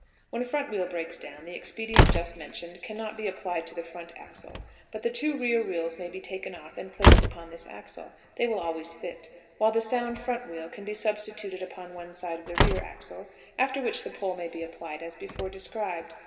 When a front wheel breaks down, the expedient just mentioned can not be applied to the front axle, but the two rear wheels may be taken off and placed upon this axle (they will always fit), while the sound front wheel can be substituted upon one side of the rear axle, after which the pole may be applied as before described.